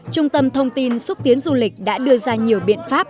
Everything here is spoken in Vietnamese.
trung tâm thông tin xúc tiến du lịch đã đưa ra nhiều biện pháp